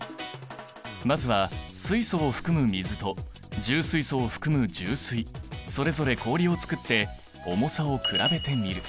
まずは水素を含む水と重水素を含む重水それぞれ氷を作って重さを比べてみる。